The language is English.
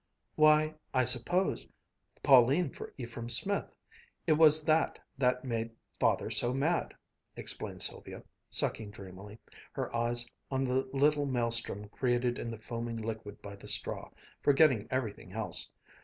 "Why, I supposed, Pauline for Ephraim Smith. It was that that made Father so mad," explained Sylvia, sucking dreamily, her eyes on the little maelstrom created in the foaming liquid by the straw, forgetting everything else.